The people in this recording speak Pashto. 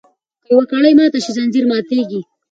که یوه کړۍ ماته شي ځنځیر ماتیږي.